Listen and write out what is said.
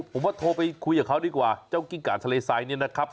ผมว่าโทรไปคุยกับเขาดีกว่าเจ้ากิ้งกาทะเลทรายเนี่ยนะครับ